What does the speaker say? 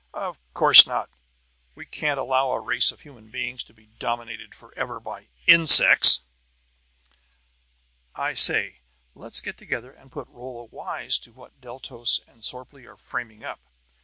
"Of course not! We can't allow a race of human beings to be dominated forever by insects! "I say, let's get together and put Rolla wise to what Deltos and Sorplee are framing up!